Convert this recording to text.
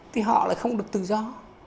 thì họ lại không được tự do